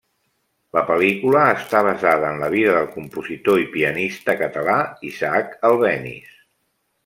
La pel·lícula està basada en la vida del compositor i pianista català Isaac Albéniz.